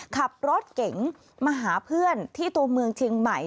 ขับรถเก๋งมาหาเพื่อนที่ตัวเมืองเชียงใหม่